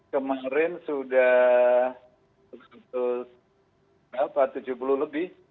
kemarin sudah tujuh puluh lebih